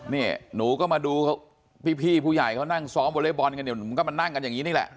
นี่หนูก็มาดูพี่ผู้ใหญ่เขานั่งซ้อมวอเล็กบอลกันอยู่มันก็มานั่งกันอย่างนี้นี่แหละ